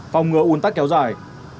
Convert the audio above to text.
phòng ngừa ổn tắc kéo dài